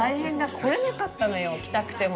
来れなかったのよ、来たくても。